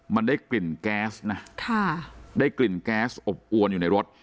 มันได้กลิ่นแก๊สนะได้กลิ่นแก๊สอบอวนอยู่ในรถ